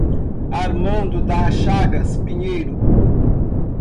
Armando Das Chagas Pinheiro